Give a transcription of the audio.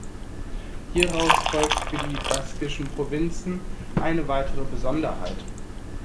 Hieraus folgt für die baskischen Provinzen eine weitere Besonderheit.